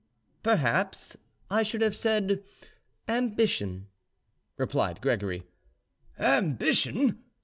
"Perhaps I should have said ambition," replied Gregory. "Ambition!"